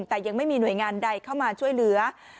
แต่ยังไม่มีหน่วยงานใดเข้ามาช่วยเหลือ